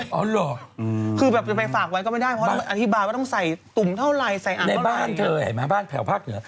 อยู่บ้านเลยอ๋อเหรออืมคือแบบไปฝากไว้ก็ไม่ได้เพราะต้องอธิบายว่าต้องใส่ตุ๋มเท่าไหร่ใส่อันก็ไหร่ในบ้านเธอเห็นไหมบ้านแผ่วภาคเหนือ